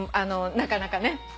なかなか。